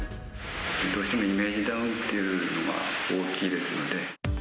どうしてもイメージダウンっていうのが大きいですので。